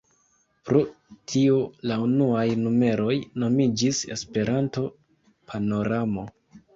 Pro tio la unuaj numeroj nomiĝis "Esperanto-Panoramo".